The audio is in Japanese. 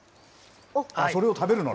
それを食べるのね。